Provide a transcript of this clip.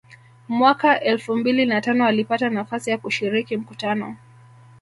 Mwaka elfu mbili na tano alipata nafasi ya kushiriki mkutano